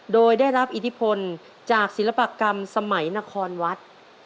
โดยได้รับอิทธิพลจากศิลปกรรมสมัยนครวัด